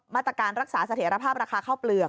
มาตรการรักษาเสถียรภาพราคาข้าวเปลือก